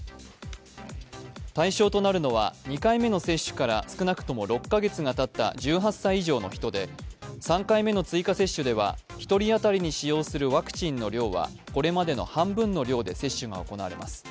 対象となるのは２回目の接種から少なくとも６カ月がたった１８歳以上の人で、３回目の追加接種では１人当たりに使用するワクチンの量はこれまでの半分の量で接種が行われます。